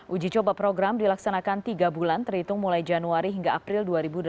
uji coba program dilaksanakan tiga bulan terhitung mulai januari hingga april dua ribu delapan belas